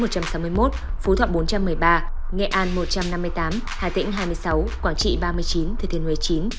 phú thọ bốn trăm một mươi ba nghệ an một trăm năm mươi tám hà tĩnh hai mươi sáu quảng trị ba mươi chín thừa thiên huế chín